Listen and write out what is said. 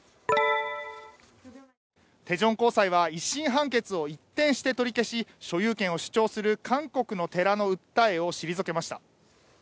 大田高裁は１審判決を一転して取り下げ所有権を主張する韓国の寺の訴えを退けました。